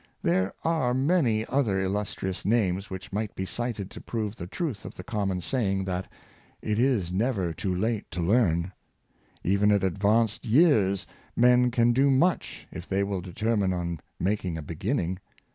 There are many other illustrious names which might be cited to prove the truth of the common saying that " it is never to late to learn." Even at advanced years men can do much, if they will determine on making a beginning.